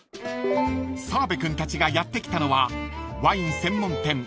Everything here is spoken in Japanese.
［澤部君たちがやって来たのはワイン専門店］